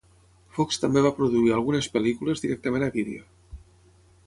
Fox també va produir algunes pel·lícules directament a vídeo.